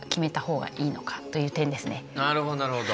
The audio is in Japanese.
なるほどなるほど。